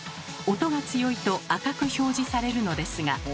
音が強いと赤く表示されるのですが。